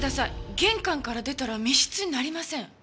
玄関から出たら密室になりません。